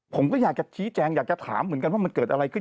ผมก็อยากจะชี้แจงอยากจะถามเหมือนกันว่ามันเกิดอะไรขึ้น